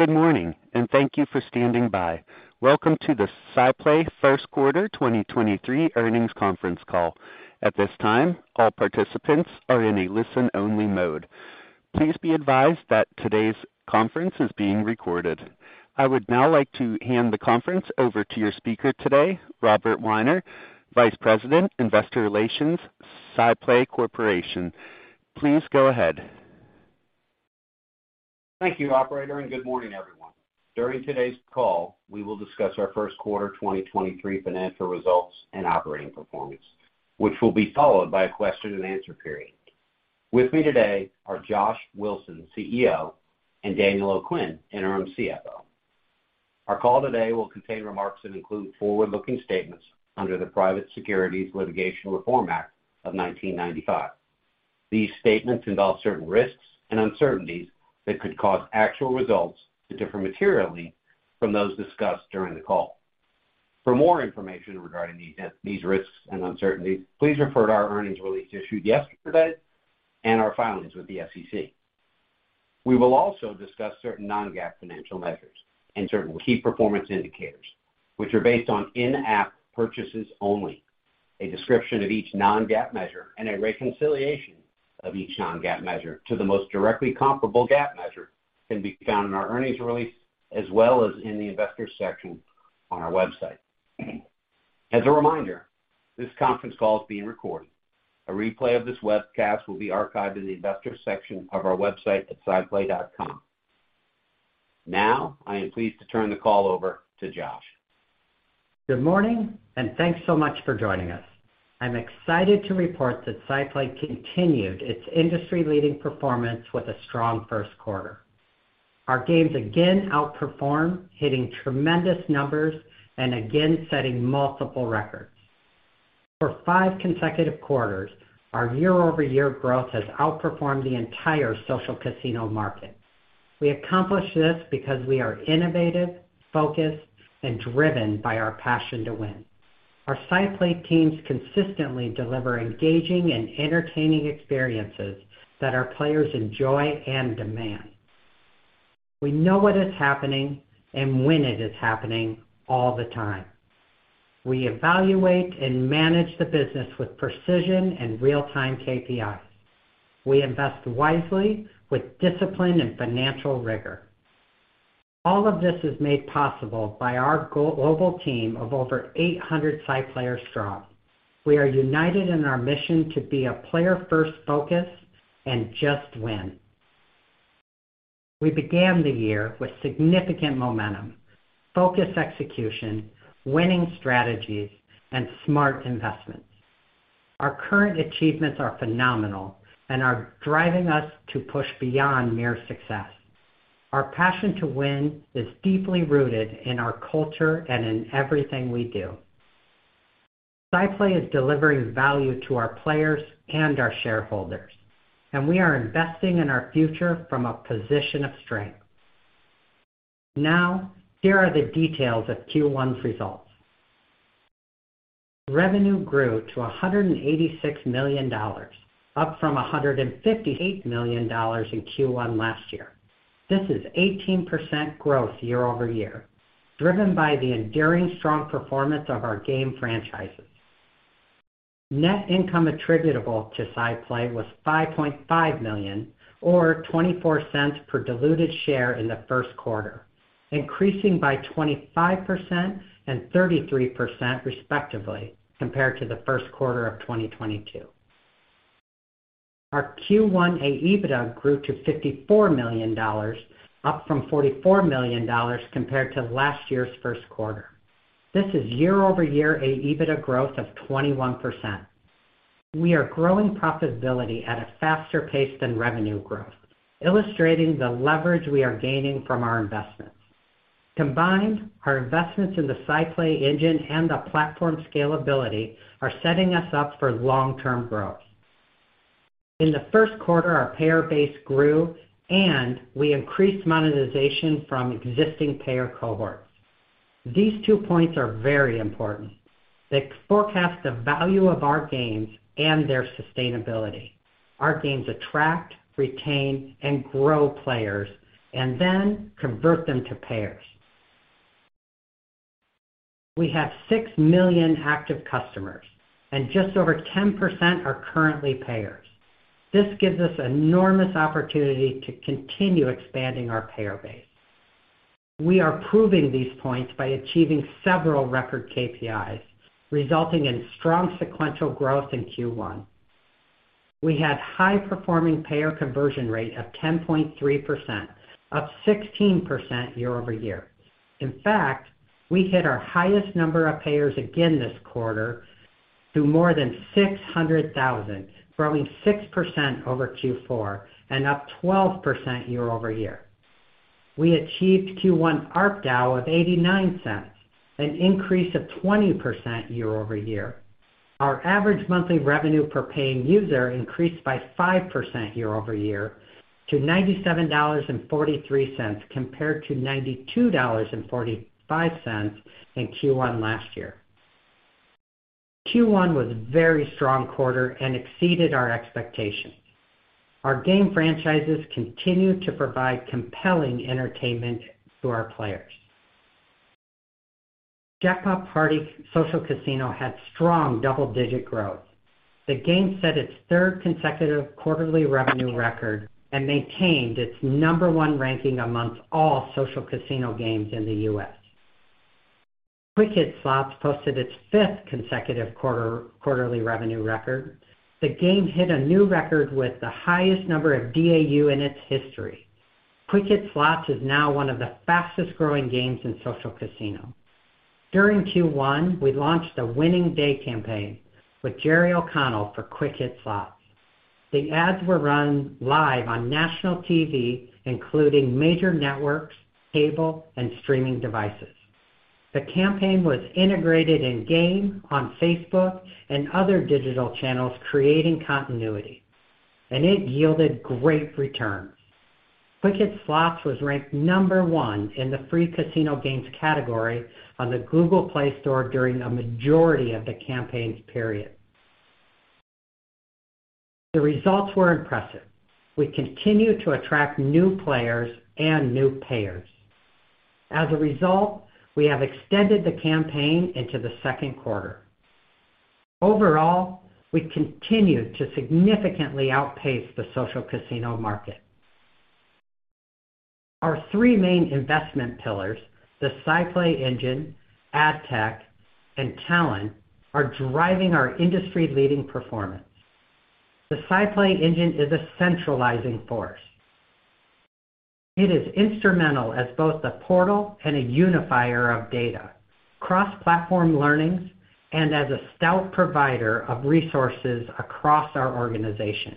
Good morning and thank you for standing by. Welcome to the SciPlay First Quarter 2023 Earnings Conference Call. At this time, all participants are in a listen-only mode. Please be advised that today's conference is being recorded. I would now like to hand the conference over to your speaker today, Robert Weiner, Vice President, Investor Relations, SciPlay Corporation. Please go ahead. Thank you, operator, good morning, everyone. During today's call, we will discuss our first quarter 2023 financial results and operating performance, which will be followed by a question-and-answer period. With me today are Josh Wilson, CEO, and Daniel O'Quinn, Interim CFO. Our call today will contain remarks that include forward-looking statements under the Private Securities Litigation Reform Act of 1995. These statements involve certain risks and uncertainties that could cause actual results to differ materially from those discussed during the call. For more information regarding these risks and uncertainties, please refer to our earnings release issued yesterday and our filings with the SEC. We will also discuss certain non-GAAP financial measures and certain key performance indicators, which are based on in-app purchases only. A description of each non-GAAP measure and a reconciliation of each non-GAAP measure to the most directly comparable GAAP measure can be found in our earnings release as well as in the Investors section on our website. As a reminder, this conference call is being recorded. A replay of this webcast will be archived in the Investors section of our website at sciplay.com. Now, I am pleased to turn the call over to Josh. Good morning. Thanks so much for joining us. I'm excited to report that SciPlay continued its industry-leading performance with a strong first quarter. Our games again outperformed, hitting tremendous numbers and again setting multiple records. For five consecutive quarters, our year-over-year growth has outperformed the entire social casino market. We accomplish this because we are innovative, focused, and driven by our passion to win. Our SciPlay teams consistently deliver engaging and entertaining experiences that our players enjoy and demand. We know what is happening and when it is happening all the time. We evaluate and manage the business with precision and real-time KPIs. We invest wisely with discipline and financial rigor. All of this is made possible by our global team of over 800 SciPlayers strong. We are united in our mission to be a player-first focus and just win. We began the year with significant momentum, focused execution, winning strategies, and smart investments. Our current achievements are phenomenal and are driving us to push beyond mere success. Our passion to win is deeply rooted in our culture and in everything we do. SciPlay is delivering value to our players and our shareholders, and we are investing in our future from a position of strength. Here are the details of Q1's results. Revenue grew to $186 million, up from $158 million in Q1 last year. This is 18% growth year-over-year, driven by the enduring strong performance of our game franchises. Net income attributable to SciPlay was $5.5 million or $0.24 per diluted share in the first quarter, increasing by 25% and 33% respectively compared to the first quarter of 2022. Our Q1 AEBITDA grew to $54 million, up from $44 million compared to last year's first quarter. This is year-over-year AEBITDA growth of 21%. We are growing profitability at a faster pace than revenue growth, illustrating the leverage we are gaining from our investments. Combined, our investments in the SciPlay engine and the platform scalability are setting us up for long-term growth. In the first quarter, our payer base grew, and we increased monetization from existing payer cohorts. These two points are very important. They forecast the value of our games and their sustainability. Our games attract, retain, and grow players and then convert them to payers. We have 6 million active customers, and just over 10% are currently payers. This gives us enormous opportunity to continue expanding our payer base. We are proving these points by achieving several record KPIs, resulting in strong sequential growth in Q1. We had high-performing payer conversion rate of 10.3%, up 16% year-over-year. In fact, we hit our highest number of payers again this quarter to more than 600,000, growing 6% over Q4 and up 12% year-over-year. We achieved Q1 ARPDAU of $0.89, an increase of 20% year-over-year. Our average monthly revenue per paying user increased by 5% year-over-year to $97.43 compared to $92.45 in Q1 last year. Q1 was a very strong quarter and exceeded our expectations. Our game franchises continue to provide compelling entertainment to our players. Jackpot Party Social Casino had strong double-digit growth. The game set its third consecutive quarterly revenue record and maintained its number one ranking amongst all social casino games in the U.S. Quick Hit Slots posted its fifth consecutive quarter, quarterly revenue record. The game hit a new record with the highest number of DAU in its history. Quick Hit Slots is now one of the fastest-growing games in social casino. During Q1, we launched a winning day campaign with Jerry O'Connell for Quick Hit Slots. The ads were run live on national TV, including major networks, cable, and streaming devices. The campaign was integrated in-game on Facebook and other digital channels, creating continuity, and it yielded great returns. Quick Hit Slots was ranked number one in the free casino games category on the Google Play Store during a majority of the campaign's period. The results were impressive. We continue to attract new players and new payers. As a result, we have extended the campaign into the second quarter. Overall, we continue to significantly outpace the social casino market. Our three main investment pillars, the SciPlay engine, ad tech, and talent are driving our industry-leading performance. The SciPlay engine is a centralizing force. It is instrumental as both a portal and a unifier of data, cross-platform learnings, and as a stout provider of resources across our organization.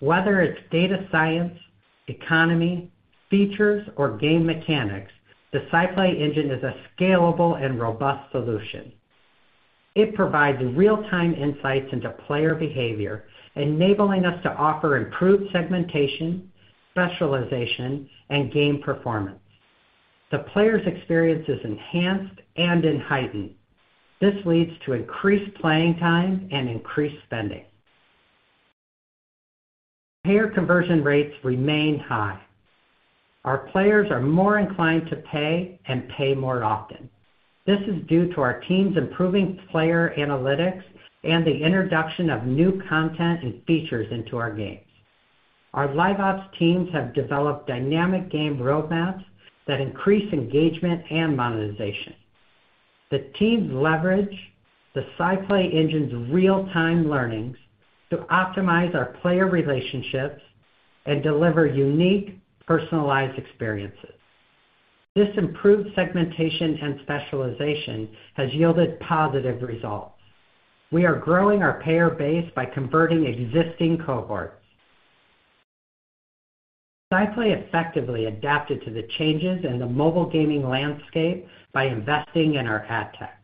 Whether it's data science, economy, features, or game mechanics, the SciPlay engine is a scalable and robust solution. It provides real-time insights into player behavior, enabling us to offer improved segmentation, specialization, and game performance. The player's experience is enhanced and enheightened. This leads to increased playing time and increased spending. Payer conversion rates remain high. Our players are more inclined to pay and pay more often. This is due to our teams improving player analytics and the introduction of new content and features into our games. Our live ops teams have developed dynamic game roadmaps that increase engagement and monetization. The teams leverage the SciPlay engine's real-time learnings to optimize our player relationships and deliver unique, personalized experiences. This improved segmentation and specialization has yielded positive results. We are growing our payer base by converting existing cohorts. SciPlay effectively adapted to the changes in the mobile gaming landscape by investing in our ad tech.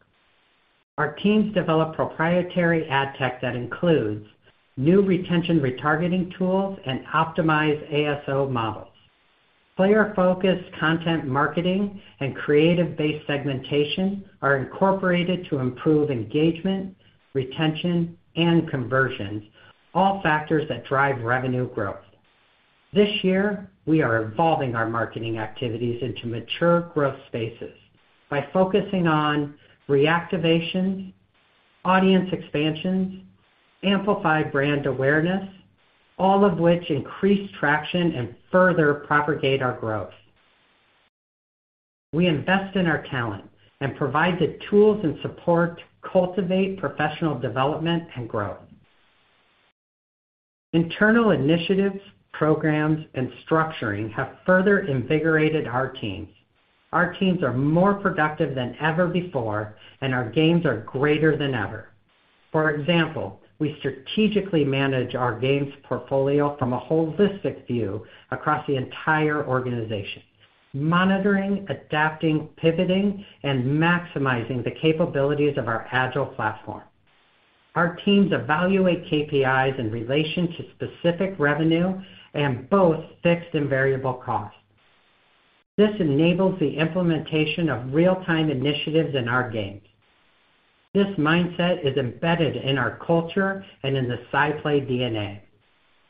Our teams develop proprietary ad tech that includes new retention retargeting tools and optimized ASO models. Player-focused content marketing and creative-based segmentation are incorporated to improve engagement, retention, and conversions, all factors that drive revenue growth. This year, we are evolving our marketing activities into mature growth spaces by focusing on reactivation, audience expansions, amplified brand awareness, all of which increase traction and further propagate our growth. We invest in our talent and provide the tools and support to cultivate professional development and growth. Internal initiatives, programs, and structuring have further invigorated our teams. Our teams are more productive than ever before, and our games are greater than ever. For example, we strategically manage our games portfolio from a holistic view across the entire organization, monitoring, adapting, pivoting, and maximizing the capabilities of our agile platform. Our teams evaluate KPIs in relation to specific revenue and both fixed and variable costs. This enables the implementation of real-time initiatives in our games. This mindset is embedded in our culture and in the SciPlay DNA.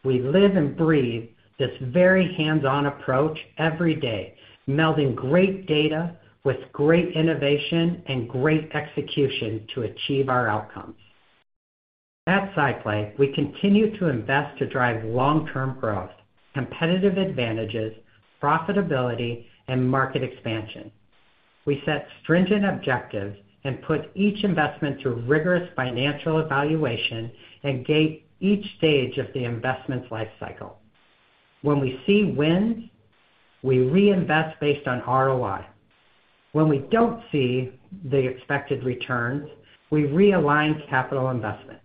We live and breathe this very hands-on approach every day, melding great data with great innovation and great execution to achieve our outcomes. At SciPlay, we continue to invest to drive long-term growth, competitive advantages, profitability, and market expansion. We set stringent objectives and put each investment through rigorous financial evaluation and gate each stage of the investment's life cycle. When we see wins, we reinvest based on ROI. When we don't see the expected returns, we realign capital investments.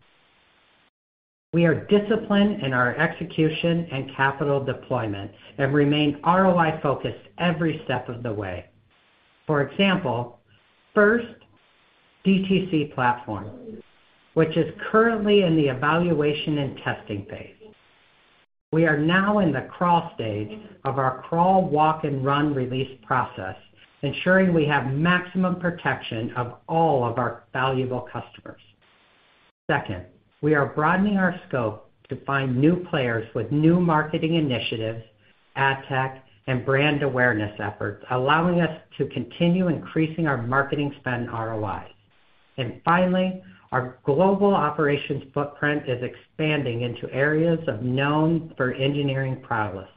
We are disciplined in our execution and capital deployment and remain ROI-focused every step of the way. For example, first DTC platform, which is currently in the evaluation and testing phase. We are now in the crawl stage of our crawl, walk, and run release process, ensuring we have maximum protection of all of our valuable customers. Second, we are broadening our scope to find new players with new marketing initiatives, ad tech, and brand awareness efforts, allowing us to continue increasing our marketing spend ROI. Finally, our global operations footprint is expanding into areas of known for engineering prowess.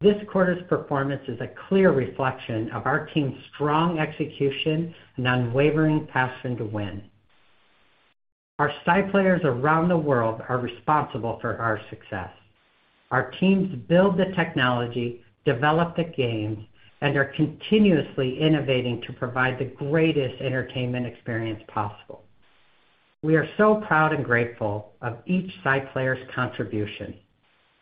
This quarter's performance is a clear reflection of our team's strong execution and unwavering passion to win. Our SciPlayers around the world are responsible for our success. Our teams build the technology, develop the games, and are continuously innovating to provide the greatest entertainment experience possible. We are so proud and grateful of each SciPlayer's contribution.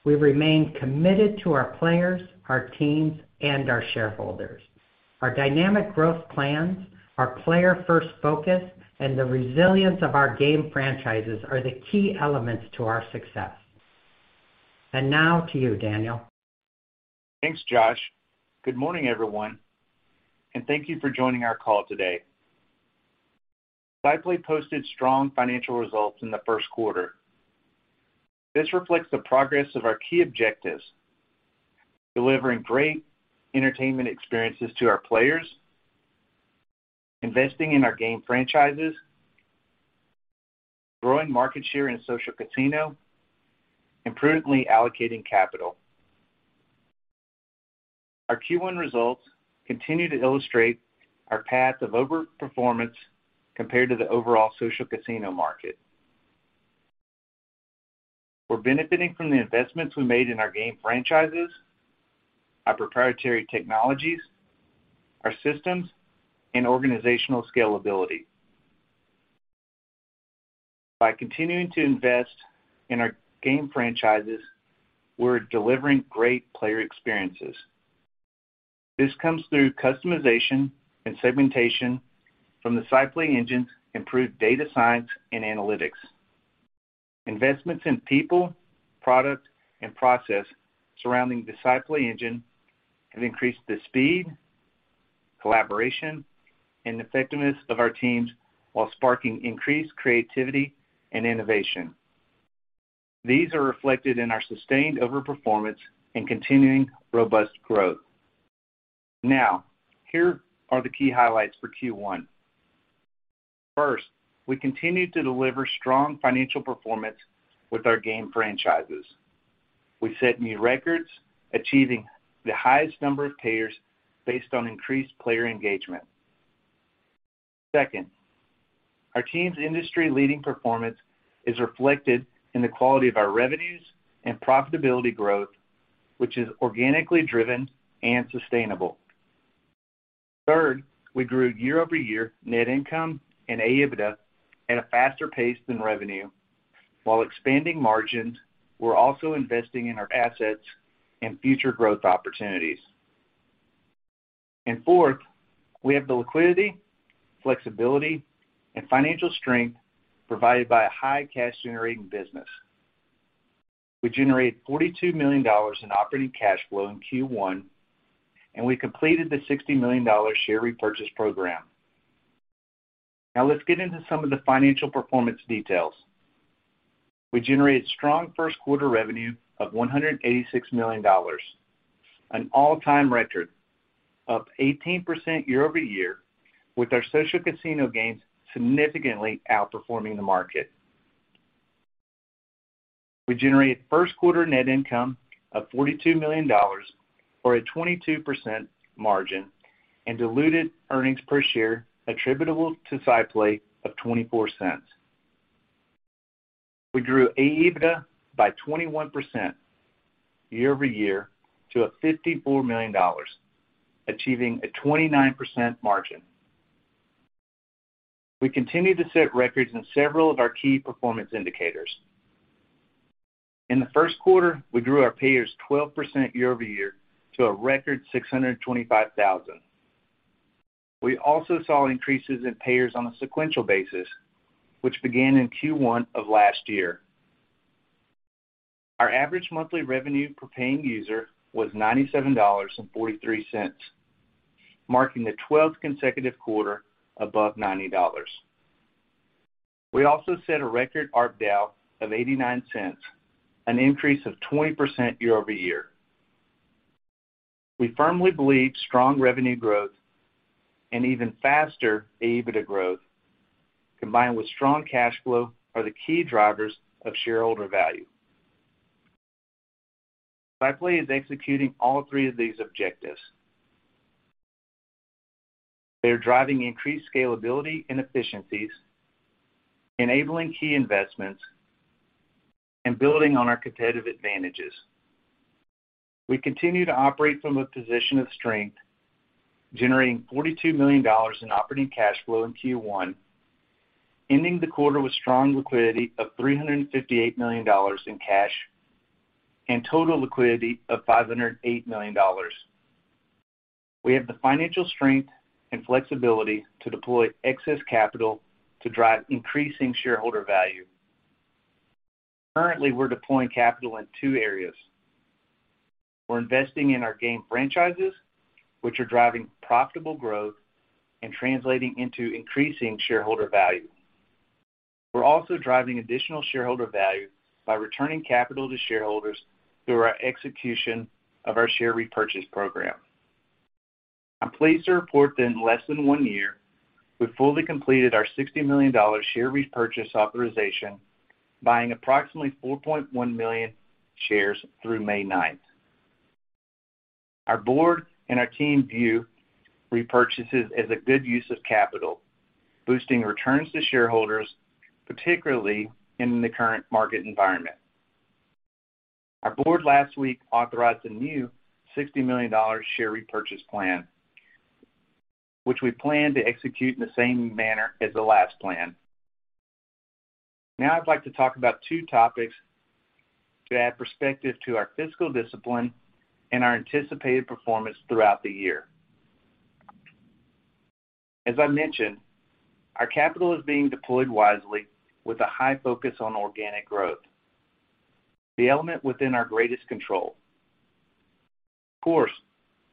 We remain committed to our players, our teams, and our shareholders. Our dynamic growth plans, our player-first focus, and the resilience of our game franchises are the key elements to our success. Now to you, Daniel. Thanks, Josh. Good morning, everyone. Thank you for joining our call today. SciPlay posted strong financial results in the first quarter. This reflects the progress of our key objectives, delivering great entertainment experiences to our players, investing in our game franchises, growing market share in social casino, and prudently allocating capital. Our Q1 results continue to illustrate our path of overperformance compared to the overall social casino market. We're benefiting from the investments we made in our game franchises, our proprietary technologies, our systems, and organizational scalability. By continuing to invest in our game franchises, we're delivering great player experiences. This comes through customization and segmentation from the SciPlay engine, improved data science and analytics. Investments in people, product, and process surrounding the SciPlay engine have increased the speed, collaboration, and effectiveness of our teams while sparking increased creativity and innovation. These are reflected in our sustained overperformance and continuing robust growth. Here are the key highlights for Q1. First, we continue to deliver strong financial performance with our game franchises. We've set new records, achieving the highest number of payers based on increased player engagement. Second, our team's industry-leading performance is reflected in the quality of our revenues and profitability growth, which is organically driven and sustainable. Third, we grew year-over-year net income and EBITDA at a faster pace than revenue. While expanding margins, we're also investing in our assets and future growth opportunities. Fourth, we have the liquidity, flexibility, and financial strength provided by a high cash-generating business. We generated $42 million in operating cash flow in Q1, and we completed the $60 million share repurchase program. Let's get into some of the financial performance details. We generated strong first quarter revenue of $186 million, an all-time record, up 18% year-over-year, with our social casino games significantly outperforming the market. We generated first quarter net income of $42 million for a 22% margin and diluted earnings per share attributable to SciPlay of $0.24. We grew EBITDA by 21% year-over-year to $54 million, achieving a 29% margin. We continue to set records in several of our key performance indicators. In the first quarter, we grew our payers 12% year-over-year to a record 625,000. We also saw increases in payers on a sequential basis, which began in Q1 of last year. Our average monthly revenue per paying user was $97.43, marking the 12th consecutive quarter above $90. We also set a record ARPDAU of $0.89, an increase of 20% year-over-year. We firmly believe strong revenue growth and even faster EBITDA growth, combined with strong cash flow, are the key drivers of shareholder value. SciPlay is executing all three of these objectives. They are driving increased scalability and efficiencies, enabling key investments, and building on our competitive advantages. We continue to operate from a position of strength, generating $42 million in operating cash flow in Q1, ending the quarter with strong liquidity of $358 million in cash and total liquidity of $508 million. We have the financial strength and flexibility to deploy excess capital to drive increasing shareholder value. Currently, we're deploying capital in two areas. We're investing in our game franchises, which are driving profitable growth and translating into increasing shareholder value. We're also driving additional shareholder value by returning capital to shareholders through our execution of our share repurchase program. I'm pleased to report that in less than one year, we've fully completed our $60 million share repurchase authorization, buying approximately 4.1 million shares through May 9th. Our board and our team view repurchases as a good use of capital, boosting returns to shareholders, particularly in the current market environment. Our board last week authorized a new $60 million share repurchase plan, which we plan to execute in the same manner as the last plan. I'd like to talk about two topics to add perspective to our fiscal discipline and our anticipated performance throughout the year. As I mentioned, our capital is being deployed wisely with a high focus on organic growth, the element within our greatest control. Of course,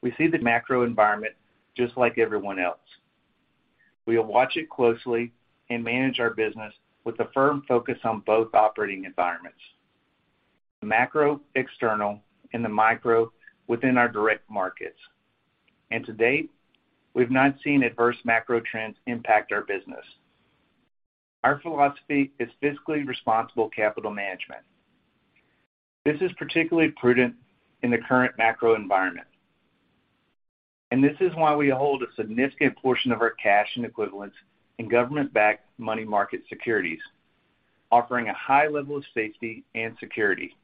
we see the macro environment just like everyone else. We'll watch it closely and manage our business with a firm focus on both operating environments, the macro external and the micro within our direct markets. To date, we've not seen adverse macro trends impact our business. Our philosophy is fiscally responsible capital management. This is particularly prudent in the current macro environment, and this is why we hold a significant portion of our cash and equivalents in government-backed money market securities, offering a high level of safety and security.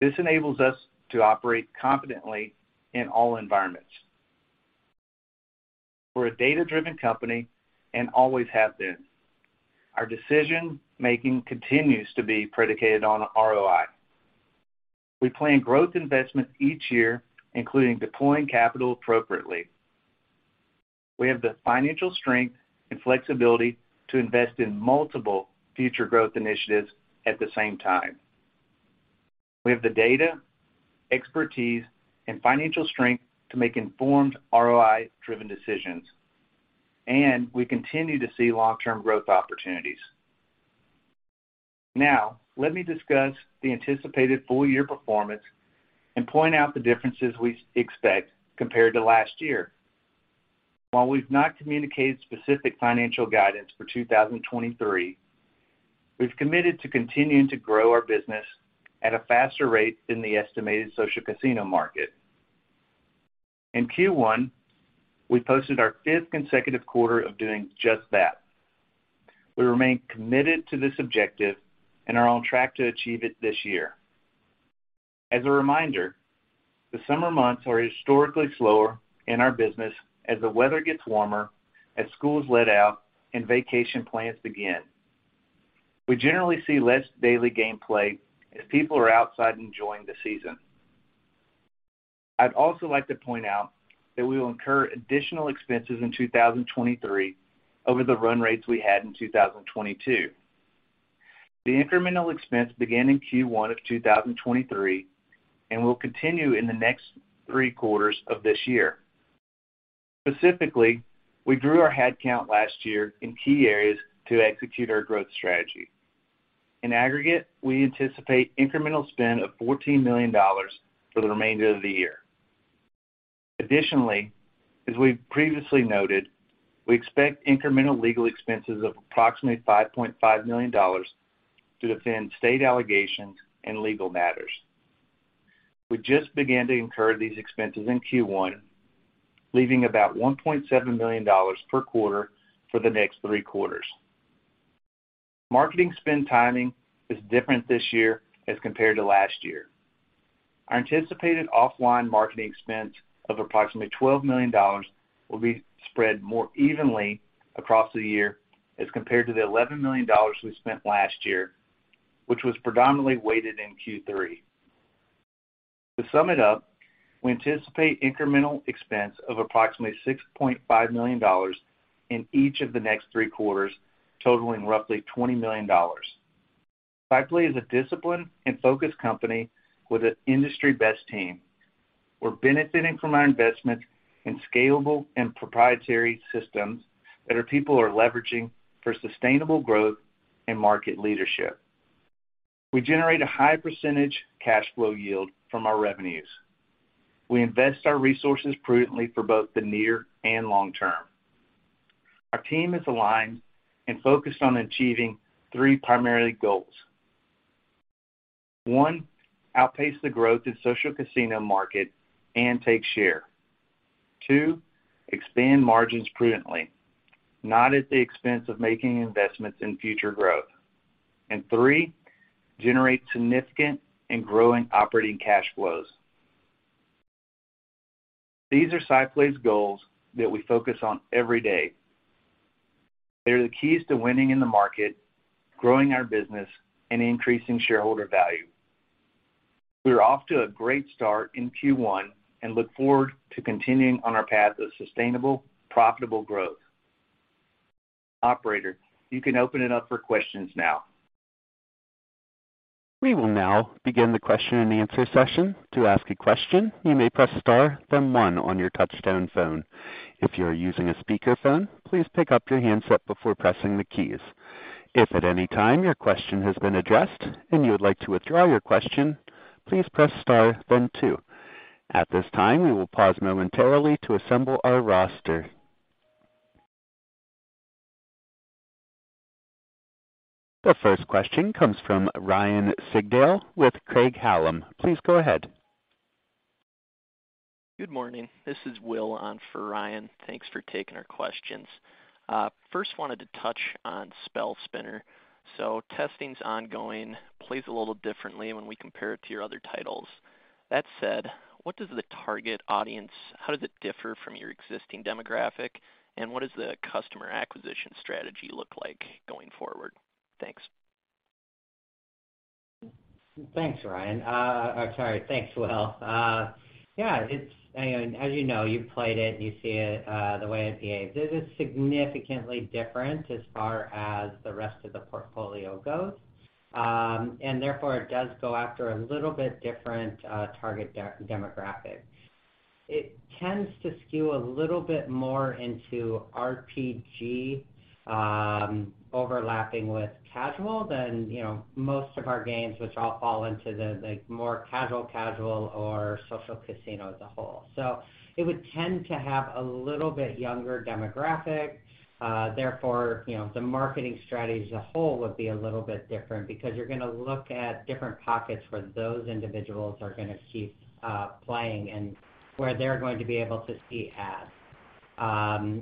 This enables us to operate confidently in all environments. We're a data-driven company and always have been. Our decision-making continues to be predicated on ROI. We plan growth investments each year, including deploying capital appropriately. We have the financial strength and flexibility to invest in multiple future growth initiatives at the same time. We have the data, expertise, and financial strength to make informed ROI-driven decisions, and we continue to see long-term growth opportunities. Let me discuss the anticipated full-year performance and point out the differences we expect compared to last year. While we've not communicated specific financial guidance for 2023, we've committed to continuing to grow our business at a faster rate than the estimated social casino market. In Q1, we posted our fifth consecutive quarter of doing just that. We remain committed to this objective and are on track to achieve it this year. As a reminder, the summer months are historically slower in our business as the weather gets warmer, as schools let out, and vacation plans begin. We generally see less daily gameplay as people are outside enjoying the season. I'd also like to point out that we will incur additional expenses in 2023 over the run rates we had in 2022. The incremental expense began in Q1 of 2023 and will continue in the next three quarters of this year. Specifically, we grew our head count last year in key areas to execute our growth strategy. In aggregate, we anticipate incremental spend of $14 million for the remainder of the year. As we've previously noted, we expect incremental legal expenses of approximately $5.5 million to defend state allegations and legal matters. We just began to incur these expenses in Q1, leaving about $1.7 million per quarter for the next three quarters. Marketing spend timing is different this year as compared to last year. Our anticipated offline marketing expense of approximately $12 million will be spread more evenly across the year as compared to the $11 million we spent last year, which was predominantly weighted in Q3. To sum it up, we anticipate incremental expense of approximately $6.5 million in each of the next three quarters, totaling roughly $20 million. SciPlay is a disciplined and focused company with an industry-best team. We're benefiting from our investments in scalable and proprietary systems that our people are leveraging for sustainable growth and market leadership. We generate a high-percentage cash flow yield from our revenues. We invest our resources prudently for both the near and long term. Our team is aligned and focused on achieving three primary goals. One, outpace the growth of social casino market and take share. Two, expand margins prudently, not at the expense of making investments in future growth. Three, generate significant and growing operating cash flows. These are SciPlay's goals that we focus on every day. They are the keys to winning in the market, growing our business, and increasing shareholder value. We are off to a great start in Q1 and look forward to continuing on our path of sustainable, profitable growth. Operator, you can open it up for questions now. We will now begin the question-and-answer session. To ask a question, you may press star then one on your touchtone phone. If you are using a speakerphone, please pick up your handset before pressing the keys. If at any time your question has been addressed and you would like to withdraw your question, please press star then two. At this time, we will pause momentarily to assemble our roster. The first question comes from Ryan Sigdahl with Craig-Hallum. Please go ahead. Good morning. This is Will on for Ryan. Thanks for taking our questions. First wanted to touch on Spell Spinner. Testing's ongoing, plays a little differently when we compare it to your other titles. That said, what does the target audience, how does it differ from your existing demographic? What does the customer acquisition strategy look like going forward? Thanks. Thanks, Ryan. Or sorry. Thanks, Will. Yeah, I mean, as you know, you've played it, you see it, the way it behaves. It is significantly different as far as the rest of the portfolio goes. Therefore, it does go after a little bit different target demographic. It tends to skew a little bit more into RPG, overlapping with casual than, you know, most of our games which all fall into the, like, more casual or social casino as a whole. It would tend to have a little bit younger demographic, therefore, you know, the marketing strategy as a whole would be a little bit different because you're gonna look at different pockets where those individuals are gonna keep playing and where they're going to be able to see ads.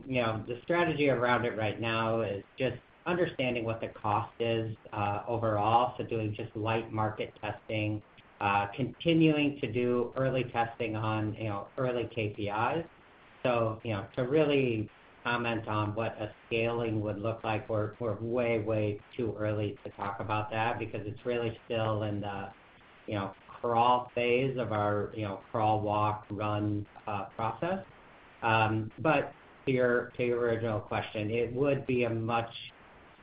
You know, the strategy around it right now is just understanding what the cost is, overall, so doing just light market testing, continuing to do early testing on, you know, early KPIs. You know, to really comment on what a scaling would look like, we're way too early to talk about that because it's really still in the, you know, crawl phase of our, you know, crawl, walk, run, process. To your, to your original question, it would be a much,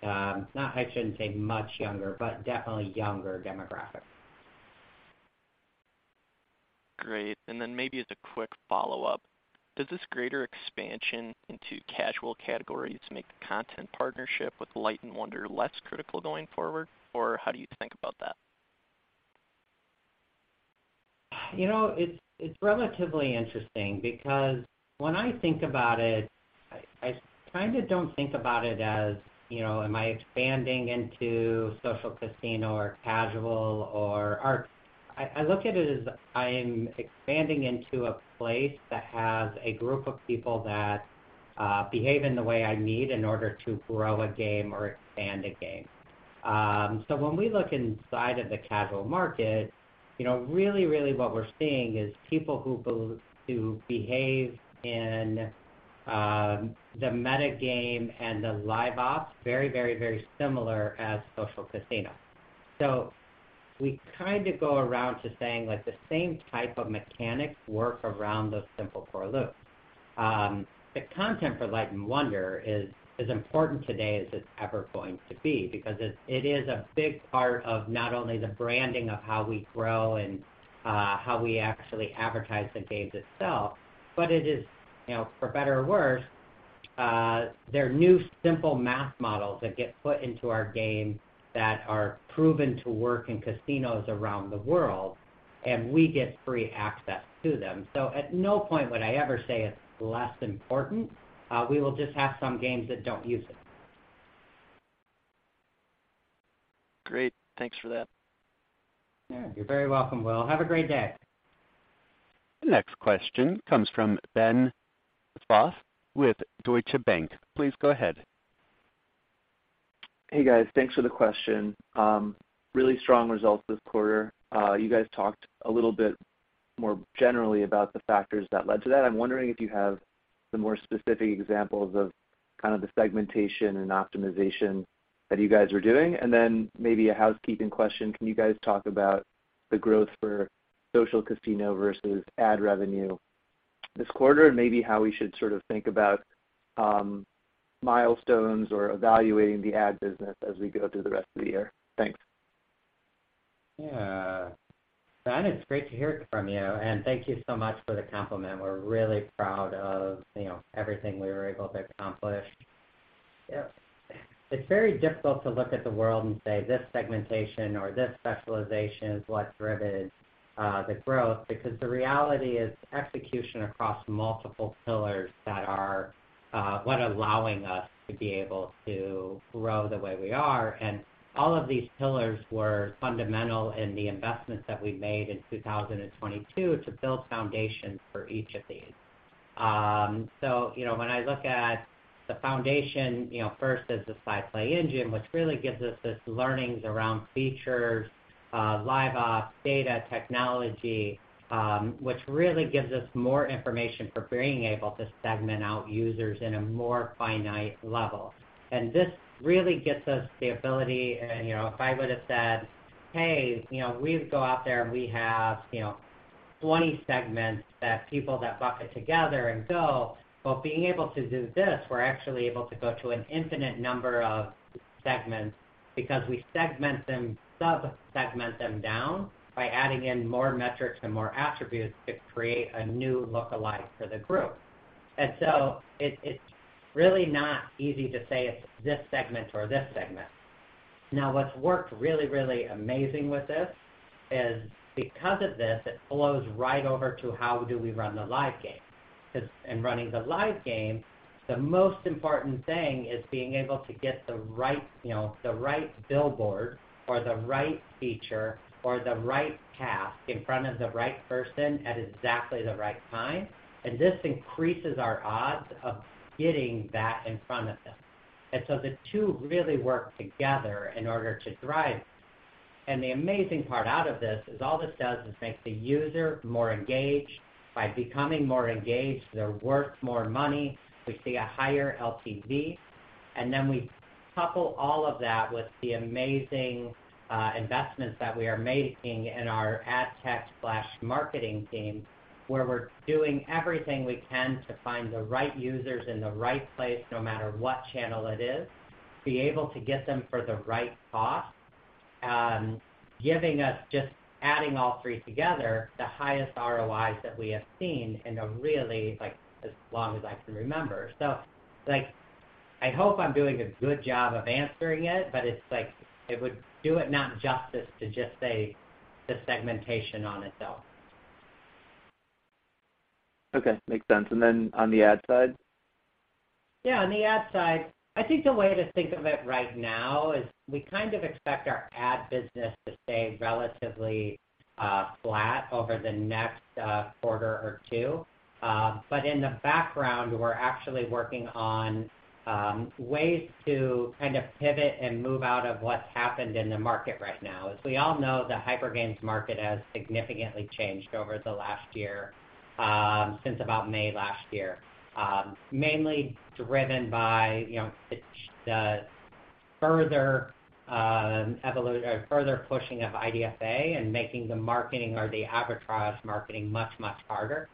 not I shouldn't say much younger, but definitely younger demographic. Great. Maybe as a quick follow-up, does this greater expansion into casual categories make the content partnership with Light & Wonder less critical going forward? How do you think about that? You know, it's relatively interesting because when I think about it, I kind of don't think about it as, you know, am I expanding into social casino or casual or I look at it as I'm expanding into a place that has a group of people that behave in the way I need in order to grow a game or expand a game. So, when we look inside of the casual market, you know, really what we're seeing is people who behave in the meta game and the live ops very similar as social casino. So, we kind of go around to saying like the same type of mechanics work around those simple core loops. The content for Light & Wonder is as important today as it's ever going to be because it is a big part of not only the branding of how we grow and how we actually advertise the games itself, but it is, you know, for better or worse, they're new simple math models that get put into our game that are proven to work in casinos around the world, and we get free access to them. At no point would I ever say it's less important. We will just have some games that don't use it. Great. Thanks for that. Yeah. You're very welcome, Will. Have a great day. The next question comes from Ben Soff with Deutsche Bank. Please go ahead. Hey, guys. Thanks for the question. Really strong results this quarter. You guys talked a little bit more generally about the factors that led to that. I'm wondering if you have some more specific examples of kind of the segmentation and optimization that you guys are doing. Then maybe a housekeeping question, can you guys talk about the growth for social casino versus ad revenue this quarter? Maybe how we should sort of think about milestones or evaluating the ad business as we go through the rest of the year. Thanks. Yeah. Ben, it's great to hear from you, and thank you so much for the compliment. We're really proud of, you know, everything we were able to accomplish. It's very difficult to look at the world and say this segmentation or this specialization is what's driven the growth because the reality is execution across multiple pillars that are what allowing us to be able to grow the way we are. All of these pillars were fundamental in the investments that we made in 2022 to build foundations for each of these. When I look at the foundation, you know, first is the SciPlay engine, which really gives us these learnings around features, live ops, data, technology, which really gives us more information for being able to segment out users in a more finite level. This really gets us the ability and, you know, if I would've said, "Hey, you know, we go out there and we have, you know, 20 segments that people that bucket together and go." Being able to do this, we're actually able to go to an infinite number of segments because we sub-segment them down by adding in more metrics and more attributes to create a new look-alike for the group. It's really not easy to say it's this segment or this segment. Now, what's worked really, really amazing with this is because of this, it flows right over to how do we run the live game. In running the live game, the most important thing is being able to get the right, you know, the right billboard or the right feature or the right task in front of the right person at exactly the right time, and this increases our odds of getting that in front of them. The two really work together in order to thrive. The amazing part out of this is all this does is make the user more engaged. By becoming more engaged, they're worth more money. We see a higher LTV, and then we couple all of that with the amazing investments that we are making in our ad tech/marketing team, where we're doing everything we can to find the right users in the right place, no matter what channel it is, be able to get them for the right cost, giving us just adding all three together, the highest ROIs that we have seen in a really, as long as I can remember. I hope I'm doing a good job of answering it, but it would do it not justice to just say the segmentation on itself. Okay. Makes sense. Then on the ad side? On the ad side, I think the way to think of it right now is we kind of expect our ad business to stay relatively flat over the next quarter or two. In the background, we're actually working on ways to kind of pivot and move out of what's happened in the market right now. As we all know, the hypercasual market has significantly changed over the last year, since about May last year, mainly driven by, you know, the further or further pushing of IDFA and making the marketing or the advertised marketing much, much harder.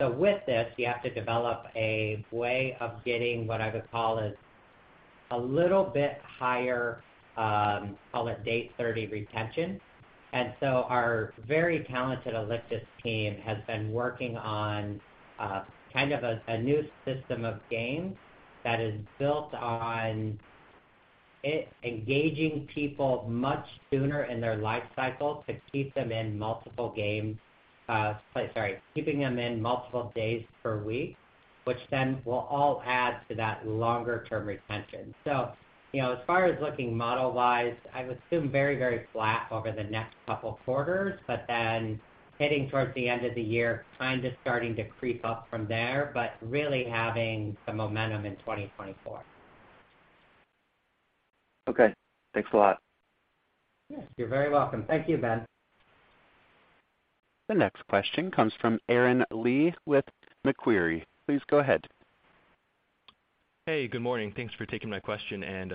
With this, you have to develop a way of getting what I would call a little bit higher, call it day 30 retention. Our very talented Alictus team has been working on kind of a new system of games that is built on engaging people much sooner in their life cycle to keep them in multiple games, sorry, keeping them in multiple days per week, which then will all add to that longer term retention. You know, as far as looking model-wise, I would assume very, very flat over the next couple quarters, but then heading towards the end of the year, kind of starting to creep up from there, but really having the momentum in 2024. Okay. Thanks a lot. Yeah. You're very welcome. Thank you, Ben. The next question comes from Aaron Lee with Macquarie. Please go ahead. Hey, good morning. Thanks for taking my question and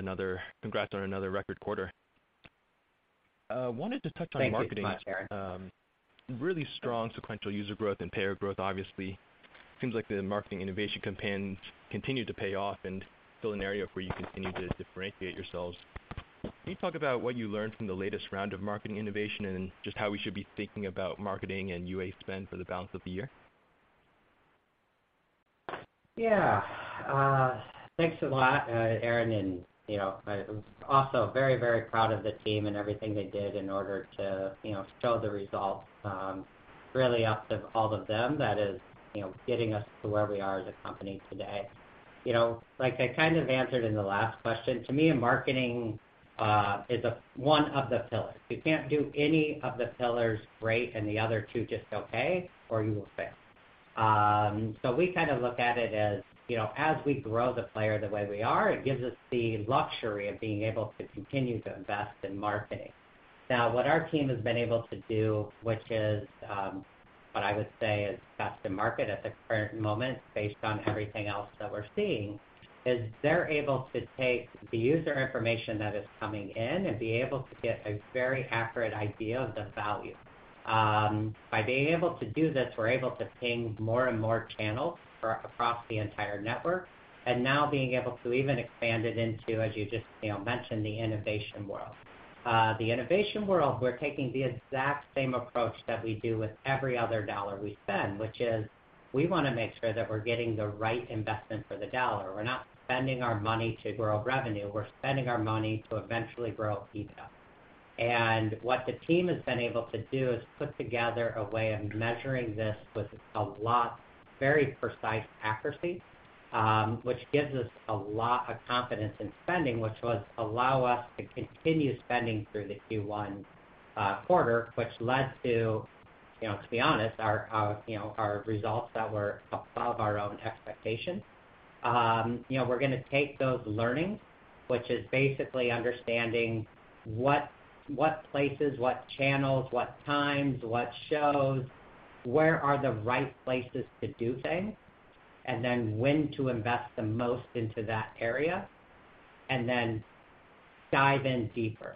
congrats on another record quarter. Wanted to touch on marketing. Thanks so much, Aaron. Really strong sequential user growth and payer growth, obviously. Seems like the marketing innovation campaigns continue to pay off and still an area where you continue to differentiate yourselves. Can you talk about what you learned from the latest round of marketing innovation and just how we should be thinking about marketing and UA spend for the balance of the year? Yeah. Thanks a lot, Aaron. You know, I'm also very, very proud of the team and everything they did in order to, you know, show the results, really up to all of them that is, you know, getting us to where we are as a company today. You know, like I kind of answered in the last question, to me, marketing is one of the pillars. You can't do any of the pillars great and the other two just okay or you will fail. We kind of look at it as, you know, as we grow the player the way we are, it gives us the luxury of being able to continue to invest in marketing. Now, what our team has been able to do, which is, what I would say is best in market at the current moment based on everything else that we're seeing, is they're able to take the user information that is coming in and be able to get a very accurate idea of the value. By being able to do this, we're able to ping more and more channels across the entire network. Now being able to even expand it into, as you just, you know, mentioned, the innovation world. The innovation world, we're taking the exact same approach that we do with every other dollar we spend, which is we wanna make sure that we're getting the right investment for the dollar. We're not spending our money to grow revenue. We're spending our money to eventually grow AEBITDA. What the team has been able to do is put together a way of measuring this with a lot very precise accuracy, which gives us a lot of confidence in spending, which was allow us to continue spending through the Q1 quarter, which led to, you know, to be honest, our, you know, our results that were above our own expectations. You know, we're gonna take those learnings, which is basically understanding what places, what channels, what times, what shows, where are the right places to do things, and then when to invest the most into that area, and then dive in deeper.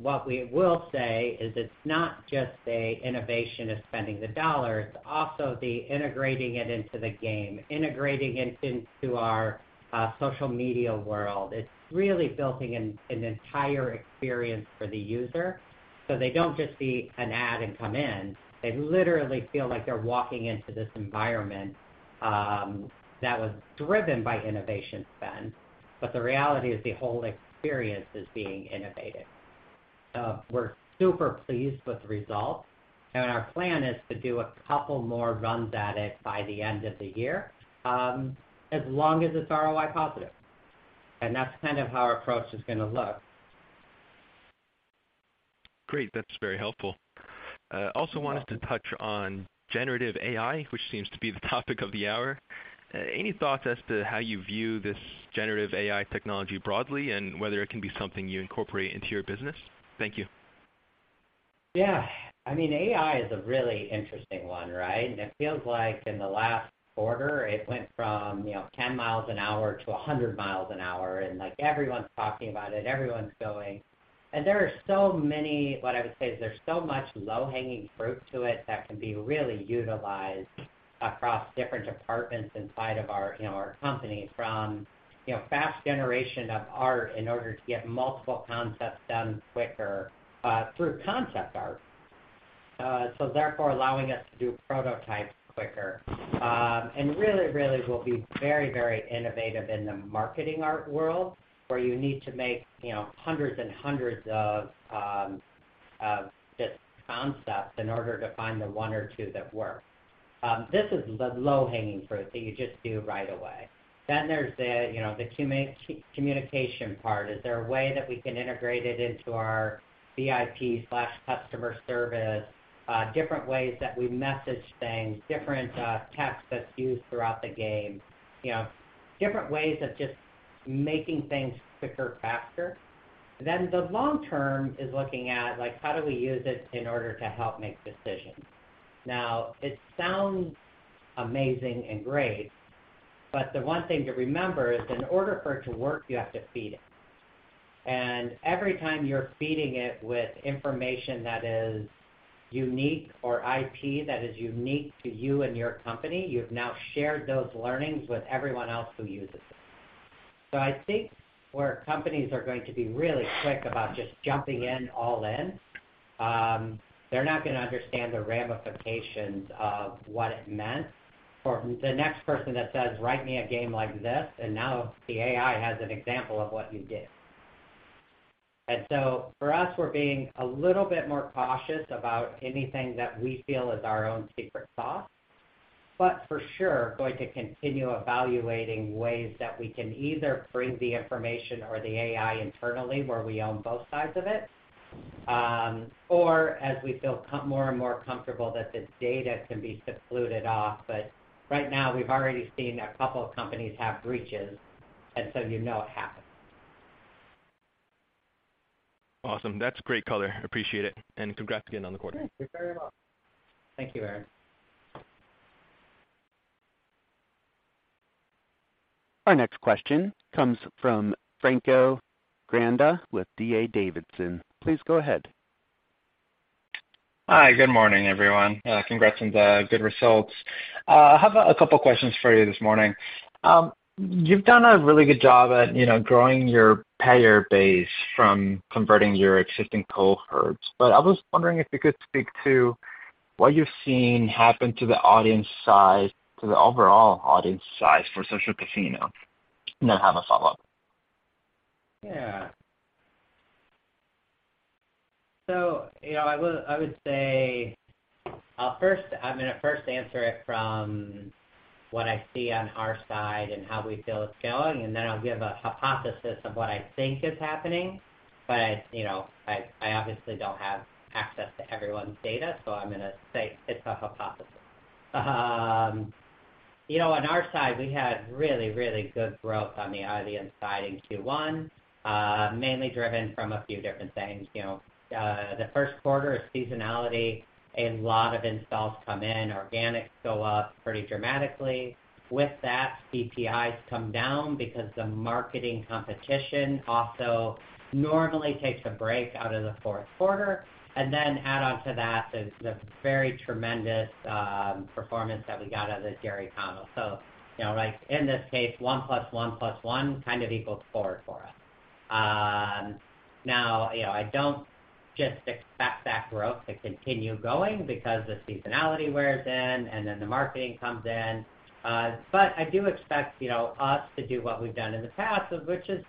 What we will say is it's not just the innovation of spending the dollars, it's also the integrating it into the game, integrating it into our social media world. It's really building an entire experience for the user, so they don't just see an ad and come in. They literally feel like they're walking into this environment, that was driven by innovation spend. The reality is the whole experience is being innovated. We're super pleased with the results. Our plan is to do a couple more runs at it by the end of the year, as long as it's ROI positive. That's kind of how our approach is gonna look. Great. That's very helpful. Also wanted to touch on generative AI, which seems to be the topic of the hour. Any thoughts as to how you view this generative AI technology broadly, and whether it can be something you incorporate into your business? Thank you. Yeah. I mean, AI is a really interesting one, right? It feels like in the last quarter, it went from, you know, 10 mi an hour to 100 mi an hour, and, like, everyone's talking about it, everyone's going. What I would say is there's so much low-hanging fruit to it that can be really utilized across different departments inside of our, you know, our company from, you know, fast generation of art in order to get multiple concepts done quicker through concept art. Therefore allowing us to do prototypes quicker. Really will be very innovative in the marketing art world, where you need to make, you know, hundreds of just concepts in order to find the one or two that work. This is the low-hanging fruit that you just do right away. There's the, you know, the communication part. Is there a way that we can integrate it into our VIP/customer service? Different ways that we message things, different texts that's used throughout the game. You know, different ways of just making things quicker, faster. The long term is looking at, like, how do we use it in order to help make decisions? Now, it sounds amazing and great, but the one thing to remember is in order for it to work, you have to feed it. Every time you're feeding it with information that is unique or IP that is unique to you and your company, you've now shared those learnings with everyone else who uses it. I think where companies are going to be really quick about just jumping in all in, they're not gonna understand the ramifications of what it meant for the next person that says, "Write me a game like this," and now the AI has an example of what you did. For us, we're being a little bit more cautious about anything that we feel is our own secret sauce, but for sure going to continue evaluating ways that we can either bring the information or the AI internally where we own both sides of it, or as we feel more and more comfortable that the data can be secluded off. Right now, we've already seen a couple of companies have breaches, and so you know it happens. Awesome. That's great color. Appreciate it. Congrats again on the quarter. You're very welcome. Thank you, Aaron. Our next question comes from Franco Granda with D.A. Davidson. Please go ahead. Hi. Good morning, everyone. Congrats on the good results. I have a couple questions for you this morning. You've done a really good job at, you know, growing your payer base from converting your existing cohorts, but I was wondering if you could speak to what you've seen happen to the overall audience size for social casino. I have a follow-up. You know, I would say I'm gonna first answer it from what I see on our side and how we feel it's going, and then I'll give a hypothesis of what I think is happening. You know, I obviously don't have access to everyone's data, so I'm gonna say it's a hypothesis. You know, on our side, we had really, really good growth on the audience side in Q1, mainly driven from a few different things. You know, the first quarter is seasonality. A lot of installs come in, organics go up pretty dramatically. With that, CPIs come down because the marketing competition also normally takes a break out of the fourth quarter. Add onto that is the very tremendous performance that we got out of the Jerry O'Connell. You know, like in this case, 1+1+1=4 for us. Now, you know, I don't just expect that growth to continue going because the seasonality wears in and then the marketing comes in. I do expect, you know, us to do what we've done in the past, which is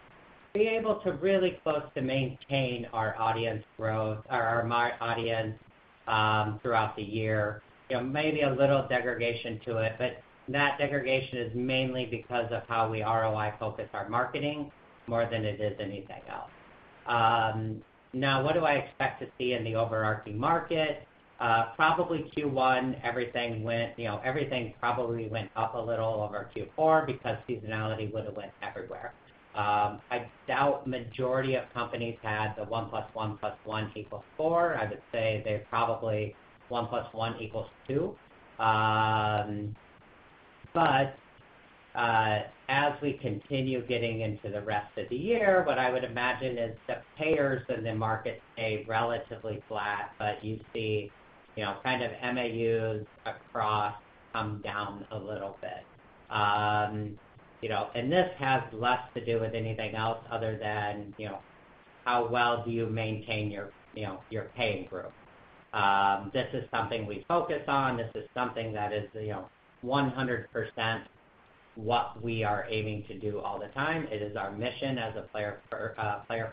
be able to really close to maintain our audience growth or our audience throughout the year. You know, maybe a little degradation to it, but that degradation is mainly because of how we ROI focus our marketing more than it is anything else. Now what do I expect to see in the overarching market? Probably Q1, you know, everything probably went up a little over Q4 because seasonality would have went everywhere. I doubt majority of companies had the 1+1+1=4. I would say they're probably 1+1=2. As we continue getting into the rest of the year, what I would imagine is that payers in the market stay relatively flat, but you see, you know, kind of MAUs across come down a little bit. You know, this has less to do with anything else other than, you know, how well do you maintain your, you know, your paying group. This is something we focus on. This is something that is, you know, 100% what we are aiming to do all the time. It is our mission as a player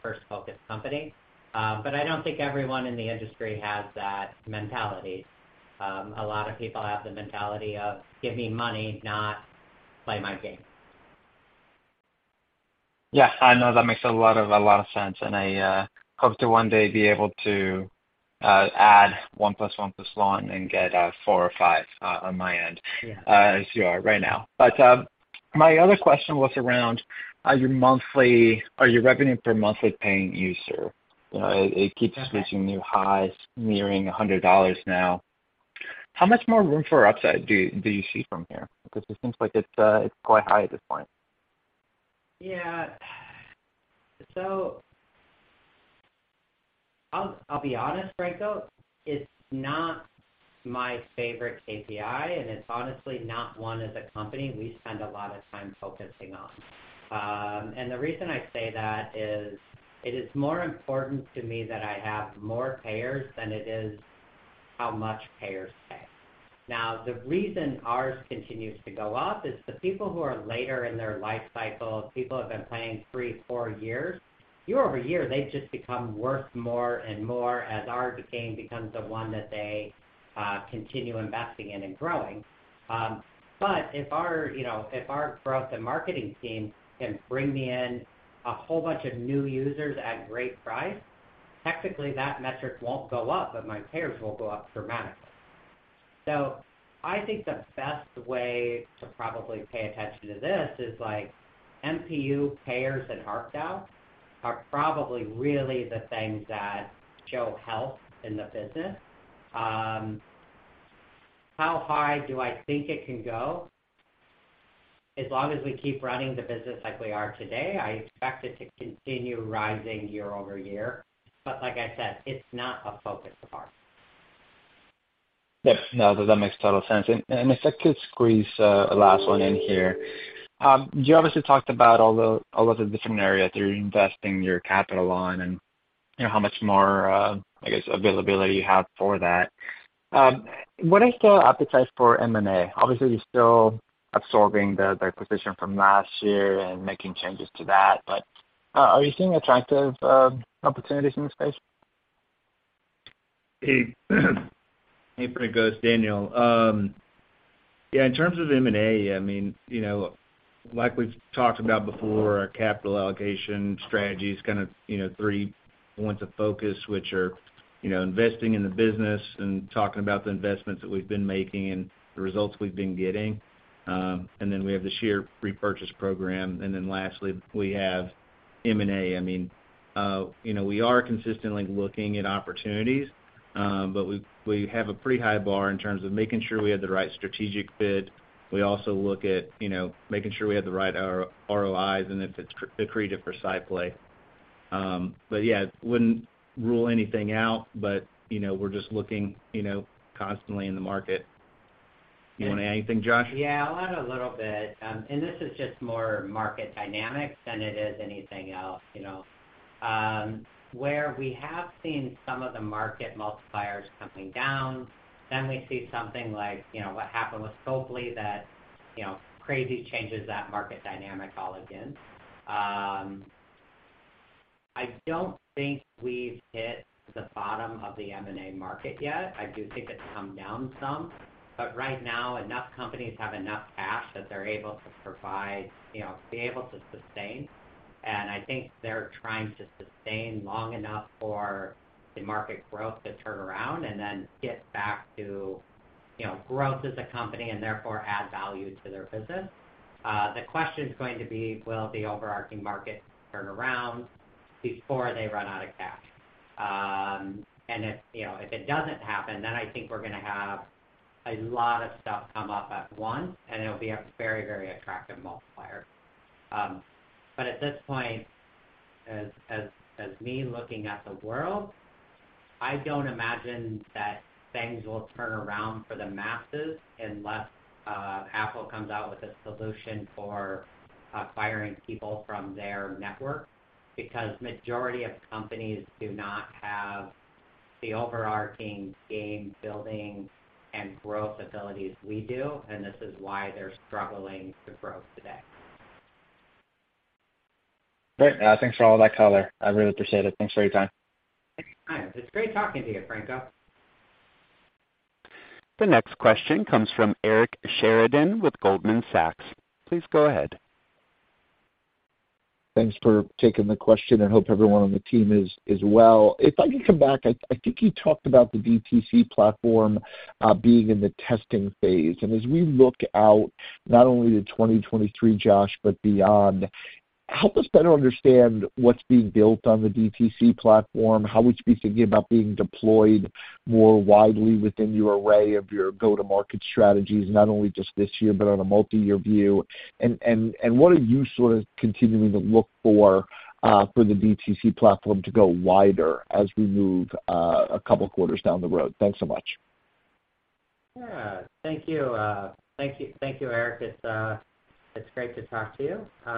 first focus company. I don't think everyone in the industry has that mentality. A lot of people have the mentality of give me money, not play my game. Yeah. I know that makes a lot of sense, and I hope to one day be able to add 1+1+1 and get four or five on my end. Yeah. as you are right now. my other question was around are your revenue per monthly paying user. You know, it keeps reaching new highs, nearing $100 now. How much more room for upside do you see from here? It seems like it's quite high at this point. Yeah. I'll be honest, Franco, it's not my favorite KPI, and it's honestly not one as a company we spend a lot of time focusing on. The reason I say that is it is more important to me that I have more payers than it is how much payers pay. Now, the reason ours continues to go up is the people who are later in their life cycle, people who have been playing three, four years, year-over-year, they've just become worth more and more as our game becomes the one that they continue investing in and growing. If our, you know, if our growth and marketing team can bring me in a whole bunch of new users at great price, technically that metric won't go up, but my payers will go up dramatically. I think the best way to probably pay attention to this is like MPU payers and ARPDAU are probably really the things that show health in the business. How high do I think it can go? As long as we keep running the business like we are today, I expect it to continue rising year-over-year. Like I said, it's not a focus of ours. Yep. No, that makes total sense. If I could squeeze a last one in here. You obviously talked about all of the different areas you're investing your capital on and, you know, how much more, I guess, availability you have for that. What is still appetite for M&A? Obviously, you're still absorbing the acquisition from last year and making changes to that, but are you seeing attractive opportunities in the space? Hey, hey, Franco. It's Daniel. Yeah, in terms of M&A, I mean, you know, like we've talked about before, our capital allocation strategy is kind of, you know, three points of focus, which are, you know, investing in the business and talking about the investments that we've been making and the results we've been getting. Then we have the share repurchase program. Then lastly, we have M&A. I mean, you know, we are consistently looking at opportunities, but we have a pretty high bar in terms of making sure we have the right strategic fit. We also look at, you know, making sure we have the right ROIs and if it's decreed for SciPlay. Yeah, wouldn't rule anything out, but, you know, we're just looking, you know, constantly in the market. You wanna add anything, Josh? Yeah. I'll add a little bit. This is just more market dynamics than it is anything else, you know. Where we have seen some of the market multipliers coming down, then we see something like, you know, what happened with Scopely that, you know, crazy changes that market dynamic all again. I don't think we've hit the bottom of the M&A market yet. I do think it's come down some. Right now, enough companies have enough cash that they're able to provide, you know, be able to sustain. I think they're trying to sustain long enough for the market growth to turn around and then get back to, you know, growth as a company and therefore add value to their business. The question is going to be: Will the overarching market turn around before they run out of cash? If, you know, if it doesn't happen, then I think we're gonna have a lot of stuff come up at once, and it'll be a very, very attractive multiplier. At this point, as me looking at the world, I don't imagine that things will turn around for the masses unless Apple comes out with a solution for firing people from their network. Majority of companies do not have the overarching game building and growth abilities we do, and this is why they're struggling to grow today. Great. thanks for all that color. I really appreciate it. Thanks for your time. Thanks. It's great talking to you, Franco. The next question comes from Eric Sheridan with Goldman Sachs. Please go ahead. Thanks for taking the question, and hope everyone on the team is well. If I can come back, I think you talked about the DTC platform being in the testing phase. As we look out, not only to 2023, Josh, but beyond, help us better understand what's being built on the DTC platform, how would you be thinking about being deployed more widely within your array of your go-to-market strategies, not only just this year, but on a multi-year view. What are you sort of continuing to look for for the DTC platform to go wider as we move a couple quarters down the road? Thanks so much. Yeah. Thank you. Thank you, Eric. It's great to talk to you. You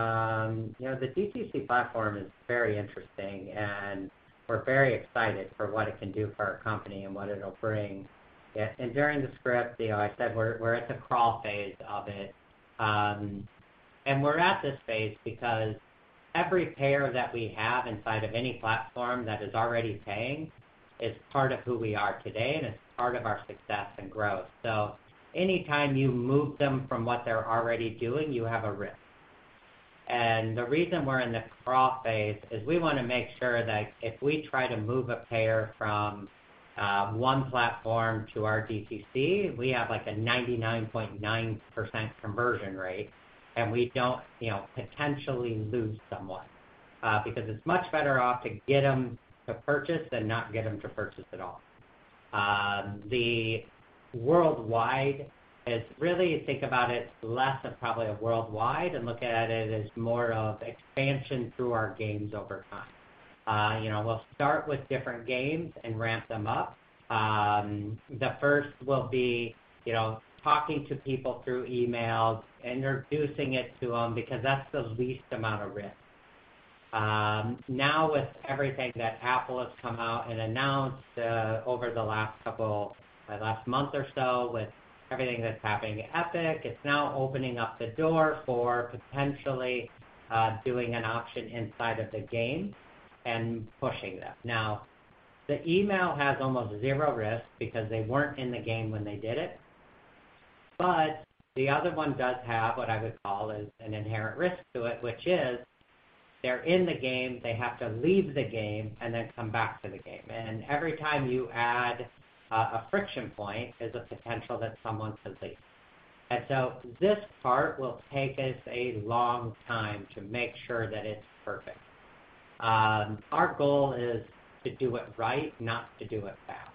know, the DTC platform is very interesting, and we're very excited for what it can do for our company and what it'll bring. During the script, you know, I said we're at the crawl phase of it. We're at this phase because every payer that we have inside of any platform that is already paying is part of who we are today and is part of our success and growth. Any time you move them from what they're already doing, you have a risk. The reason we're in the crawl phase is we wanna make sure that if we try to move a payer from one platform to our DTC, we have, like, a 99.9% conversion rate, and we don't, you know, potentially lose someone because it's much better off to get them to purchase than not get them to purchase at all. The worldwide is really think about it less of probably a worldwide and look at it as more of expansion through our games over time. You know, we'll start with different games and ramp them up. The first will be, you know, talking to people through emails, introducing it to them because that's the least amount of risk. Now with everything that Apple has come out and announced, over the last month or so with everything that's happening at Epic, it's now opening up the door for potentially doing an option inside of the game and pushing them. Now, the email has almost zero risk because they weren't in the game when they did it. The other one does have what I would call is an inherent risk to it, which is they're in the game, they have to leave the game, and then come back to the game. Every time you add a friction point is a potential that someone could leave. This part will take us a long time to make sure that it's perfect. Our goal is to do it right, not to do it fast.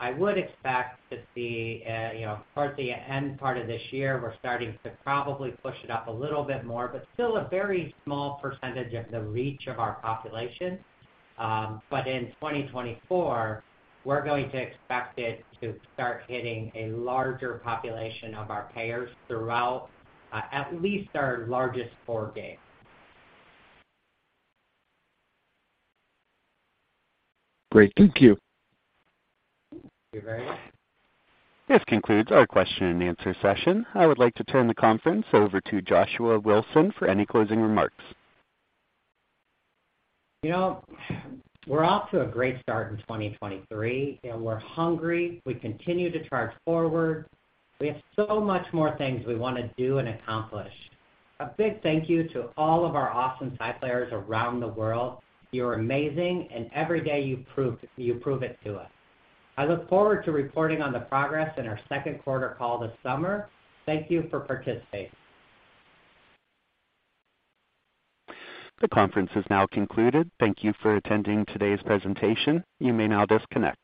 I would expect to see, you know, towards the end part of this year, we're starting to probably push it up a little bit more, but still a very small percentage of the reach of our population. In 2024, we're going to expect it to start hitting a larger population of our payers throughout, at least our largest four games. Great. Thank you. Thank you, Eric. This concludes our question and answer session. I would like to turn the conference over to Joshua Wilson for any closing remarks. You know, we're off to a great start in 2023. We're hungry. We continue to charge forward. We have so much more things we wanna do and accomplish. A big thank you to all of our awesome SciPlayers around the world. You're amazing. Every day you prove it to us. I look forward to reporting on the progress in our second quarter call this summer. Thank you for participating. The conference is now concluded. Thank you for attending today's presentation. You may now disconnect.